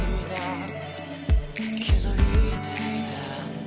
「気づいていたんだ